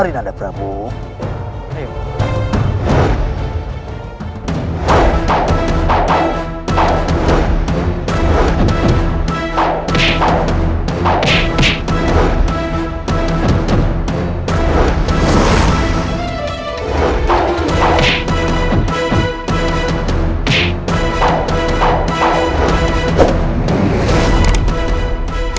dengan memakai topeng kepanakanku